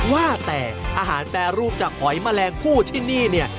ว่าแต่อาหารแปรรูปจากหอยแมลงผู้ที่นี่เนี่ย